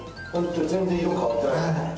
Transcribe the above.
全然色変わってない。